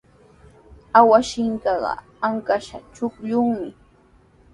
Awashinkaqa ankashqa chuqllumi.